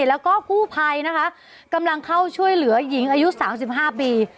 แล้วก็กู้ภัยนะคะกำลังเข้าช่วยเหลือหญิงอายุ๓๕ปี